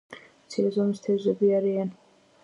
მცირე ზომის თევზები არიან.